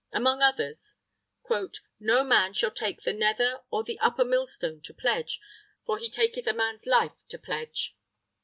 Among others: "No man shall take the nether or the upper millstone to pledge; for he taketh a man's life to pledge."